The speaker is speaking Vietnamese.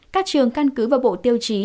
các trường căn cứ vào bộ tiêu chí